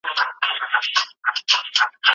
ماشوم د خپلې مور په تندي لاس تېر کړ.